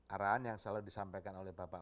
arahan yang selalu disampaikan oleh bapak